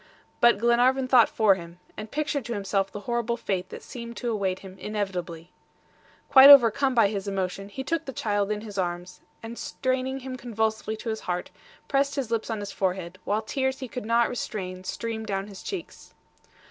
But Glenarvan thought for him, and pictured to himself the horrible fate that seemed to await him inevitably. Quite overcome by his emotion, he took the child in his arms, and straining him convulsively to his heart, pressed his lips on his forehead, while tears he could not restrain streamed down his cheeks.